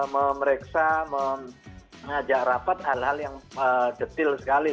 memeriksa mengajak rapat hal hal yang detil sekali